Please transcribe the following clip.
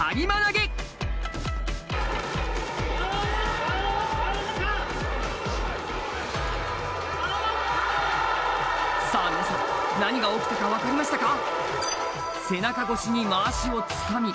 皆さん何が起きたか分かりましたか？